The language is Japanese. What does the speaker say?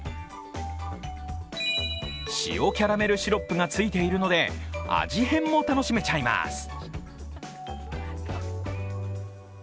塩キャラメルシロップがついているので味変も楽しめちゃいます。